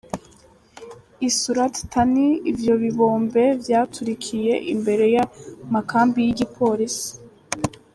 I Surat Thani, ivyo bibombe vyaturikiye imbere y'amakambi y'igipolisi.